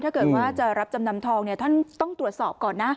ถ้าเกิดว่าจะรับจำนำทองเนี่ยท่านต้องตรวจสอบก่อนนะ